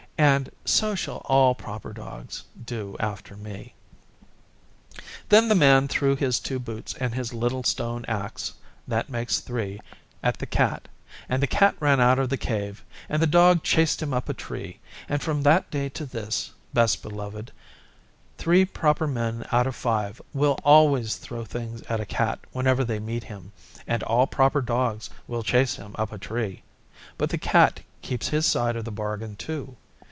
And so shall all proper Dogs do after me.' Then the Man threw his two boots and his little stone axe (that makes three) at the Cat, and the Cat ran out of the Cave and the Dog chased him up a tree; and from that day to this, Best Beloved, three proper Men out of five will always throw things at a Cat whenever they meet him, and all proper Dogs will chase him up a tree. But the Cat keeps his side of the bargain too.